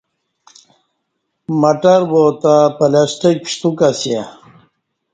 وڄان مٹر واتہ پلسٹیک پشتوک اسیہ